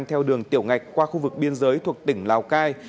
theo đường tiểu ngạch qua khu vực biên giới thuộc tỉnh lào cai